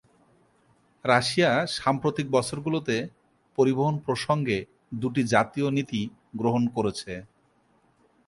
Russia সাম্প্রতিক বছরগুলোতে পরিবহন প্রসঙ্গে দুটি জাতীয় নীতি গ্রহণ করেছে।